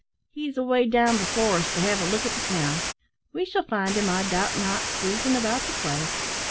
"He's away down before us to have a look at the town. We shall find him, I doubt not, cruising about the quay."